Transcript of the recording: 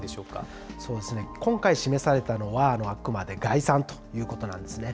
今回、示されたのは、あくまで概算ということなんですね。